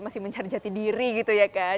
masih mencari jati diri gitu ya kan